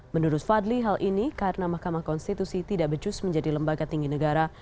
menurut fadli hal ini karena mahkamah konstitusi tidak becus menjadi lembaga tinggi negara